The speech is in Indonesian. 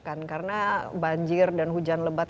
karena banjir dan hujan lebat